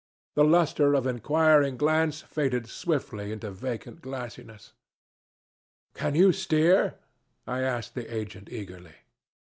The luster of inquiring glance faded swiftly into vacant glassiness. 'Can you steer?' I asked the agent eagerly.